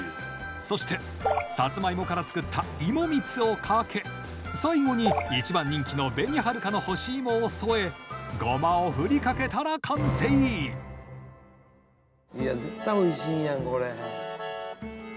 そしてさつまいもから作った芋蜜をかけ最後に一番人気の紅はるかの干し芋を添えゴマをふりかけたら完成いや絶対おいしいやんこれ。